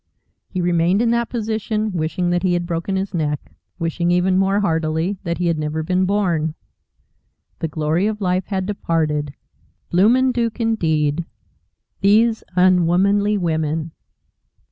He remained in that position, wishing that he had broken his neck, wishing even more heartily that he had never been born. The glory of life had departed. Bloomin' Dook, indeed! These unwomanly women!